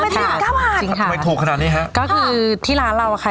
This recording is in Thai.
ทำไมเจ็ดเก้าบาทจริงค่ะทำไมถูกขนาดนี้ฮะก็คือที่ร้านเราค่ะ